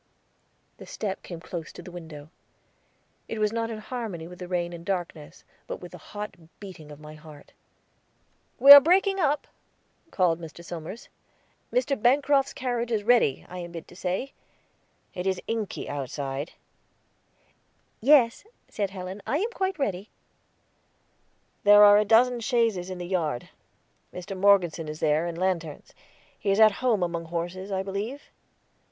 The step came close to the window; it was not in harmony with the rain and darkness, but with the hot beating of my heart. "We are breaking up," called Mr. Somers. "Mr. Bancroft's carriage is ready, I am bid to say. It is inky outside." "Yes," said Helen, "I am quite ready." "There are a dozen chaises in the yard; Mr. Morgeson is there, and lanterns. He is at home among horses, I believe."